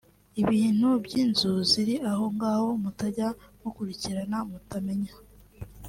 Ibintu by’inzu ziri aho ngaho mutajya mukurikirana mutamenya